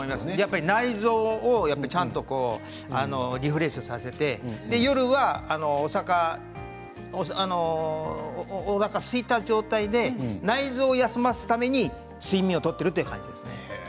内臓をリフレッシュさせて夜はおなかがすいた状態で内臓を休ませるために睡眠を取っているという感じです。